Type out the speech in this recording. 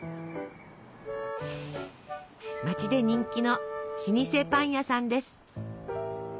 街で人気の老舗パン屋さんです。